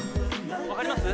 わかります？